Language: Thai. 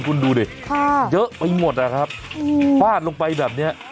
คุณดูดิเยอะไปหมดนะครับฟาดลงไปแบบเนี้ย